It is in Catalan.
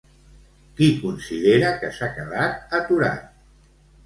Qui considera que s'ha quedat aturat?